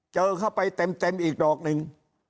เจอเขาไปเต็มอีกต่อกนิดนึง